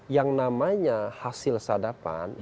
yang namanya hasil sadapan